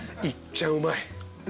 いっちゃんうまい。